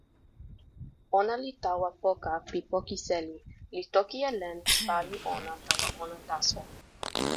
ona li tawa poka pi poki seli, li toki e len pi pali ona tawa ona taso.